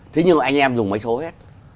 thế nhưng mà anh em dùng máy số hết